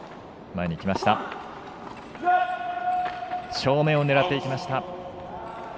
正面を狙っていきました。